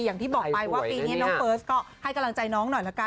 อย่างที่บอกไปว่าปีนี้น้องเฟิร์สก็ให้กำลังใจน้องหน่อยละกัน